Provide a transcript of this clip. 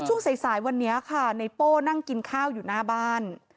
ช่วงสายสายวันนี้ค่ะในโป้นั่งกินข้าวอยู่หน้าบ้าน